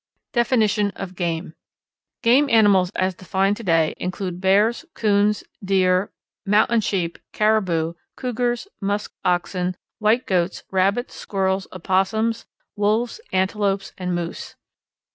Definition of Game. Game animals as defined today include bears, coons, deer, mountain sheep, caribou, cougars, musk oxen, white goats, rabbits, squirrels, opossums, wolves, antelopes, and moose.